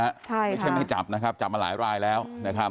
ไม่ใช่ไม่จับนะครับจับมาหลายรายแล้วนะครับ